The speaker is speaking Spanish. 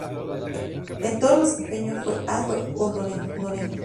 En todos los casos, su desempeño fue Ad honorem.